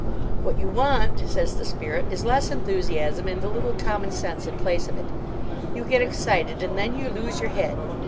"What you want," says the Spirit, "is less enthusiasm and a little commonsense in place of it. You get excited, and then you lose your head.